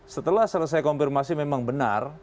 setelah selesai konfirmasi memang benar